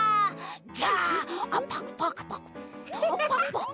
ガッパクパクパクパク。